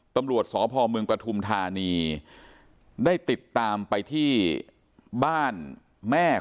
ตำรวจสภเมืองจังหวัดปฐุมธานีได้ติดตามไปที่บ้านแม่ของผู้ชาย